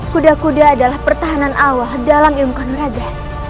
kuda kuda adalah pertahanan awal dalam ilmu kanuraga